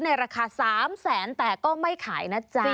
ราคา๓แสนแต่ก็ไม่ขายนะจ๊ะ